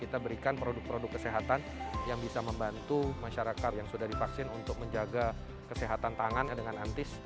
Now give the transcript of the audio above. kita berikan produk produk kesehatan yang bisa membantu masyarakat yang sudah divaksin untuk menjaga kesehatan tangannya dengan antis